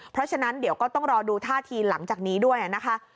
เพราะฉะนั้นเดี๋ยวก็ต้องรอดูท่าทีหลังจากนี้ด้วยนะคะ